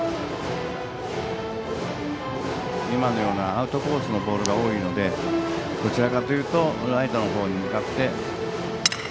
アウトコースのボールが多いので、どちらかというとライトの方に向かって。